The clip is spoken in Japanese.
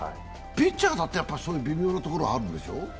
ピッチャーだってそういう微妙なところはあるんでしょ？